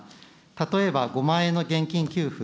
例えば５万円の現金給付。